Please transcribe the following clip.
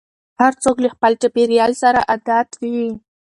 هر څوک له خپل چاپېريال سره عادت وي.